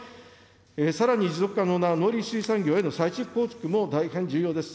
さらに持続可能な農林水産業での再構築も大変重要です。